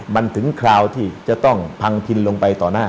มันถึงคราวที่จะต้องพังทินลงไปต่อหน้า